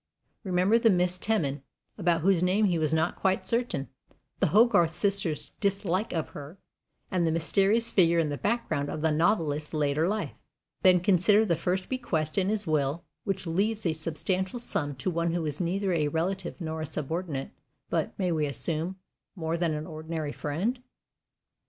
Remember the Miss "Teman," about whose name he was not quite certain; the Hogarth sisters' dislike of her; and the mysterious figure in the background of the novelist's later life. Then consider the first bequest in his will, which leaves a substantial sum to one who was neither a relative nor a subordinate, but may we assume more than an ordinary friend?